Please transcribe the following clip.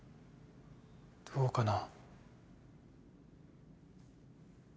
どうかな。